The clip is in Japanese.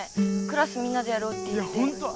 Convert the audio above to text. クラスみんなでやろうって言ってんのに。